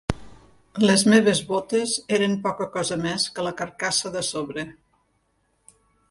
Les meves botes eren poca cosa més que la carcassa de sobre